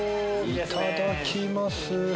いただきます。